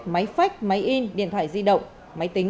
máy phách máy in điện thoại di động máy tính